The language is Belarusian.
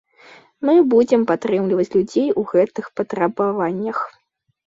Мы будзем падтрымліваць людзей у гэтых патрабаваннях.